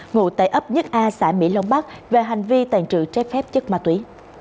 ngụ tại ấp nhất a xã mỹ lông bắc về hành vi tàn trự trái phép chất ma túy